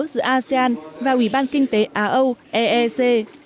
giữa asean và ủy ban kinh tế á âu eec